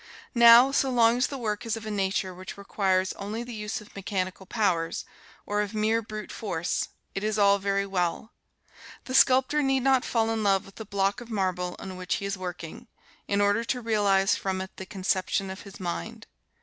Now, so long as the work is of a nature which requires only the use of mechanical powers, or of mere brute force, it is all very well. The sculptor need not fall in love with the block of marble on which he is working, in order to realize from it the conception of his mind.